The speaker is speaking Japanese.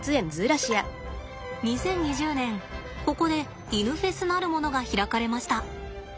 ２０２０年ここでイヌフェスなるものが開かれました。